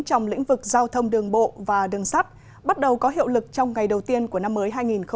trong lĩnh vực giao thông đường bộ và đường sắt bắt đầu có hiệu lực trong ngày đầu tiên của năm mới hai nghìn hai mươi